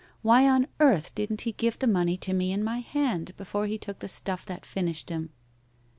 Why on earth didn't he give the money to me in my hand before he took the stuff that finished him?'